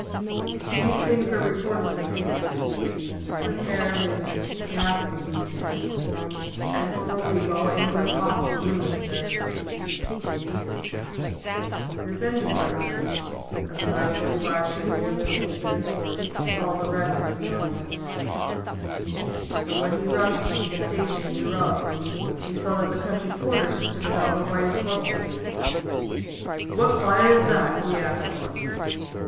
These things were reported in the papers, with narratives and ghastly details, and for a week all England talked of Lewminster. This engine driver, as the 9.45 train neared Lewminster, saw the red in the sky. And when he rushed into the station and drew up, he saw that the country porters who stood about were white as corpses. "What fire is that?" he asked one.